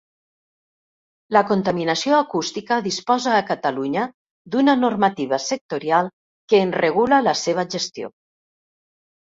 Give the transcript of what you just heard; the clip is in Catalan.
La contaminació acústica disposa a Catalunya d’una normativa sectorial que en regula la seva gestió.